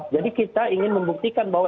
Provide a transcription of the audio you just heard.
jadi kita ingin membuktikan bahwa